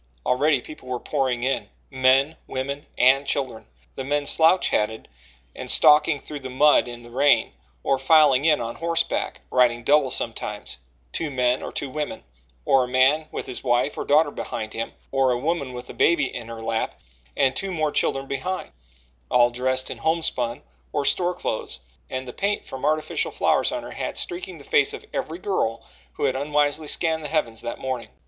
Already people were pouring in, men, women and children the men slouch hatted and stalking through the mud in the rain, or filing in on horseback riding double sometimes two men or two women, or a man with his wife or daughter behind him, or a woman with a baby in her lap and two more children behind all dressed in homespun or store clothes, and the paint from artificial flowers on her hat streaking the face of every girl who had unwisely scanned the heavens that morning.